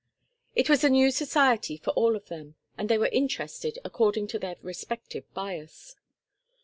It was a new society for all of them, and they were interested according to their respective bias.